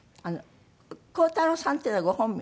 鋼太郎さんっていうのはご本名？